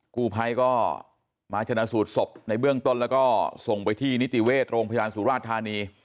กู้ภัยก็มาชนะสูตรศพในเบื้องต้นแล้วก็ส่งไปที่นิติเวชโรงพยาบาลสุราชธานี